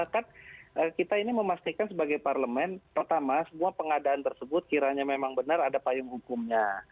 kan kita ini memastikan sebagai parlemen pertama semua pengadaan tersebut kiranya memang benar ada payung hukumnya